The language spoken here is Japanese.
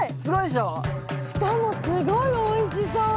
しかもすごいおいしそう！